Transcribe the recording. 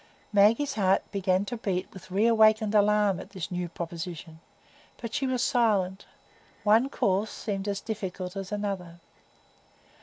Maggie's heart began to beat with reawakened alarm at this new proposition; but she was silent,—one course seemed as difficult as another.